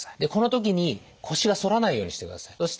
でこの時に腰が反らないようにしてください。